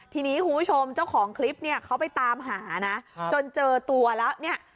ทีนี้คุณผู้ชมเจ้าของคลิปเนี่ยเขาไปตามหานะจนเจอตัวแล้วเนี่ย